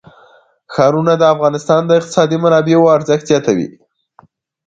ښارونه د افغانستان د اقتصادي منابعو ارزښت زیاتوي.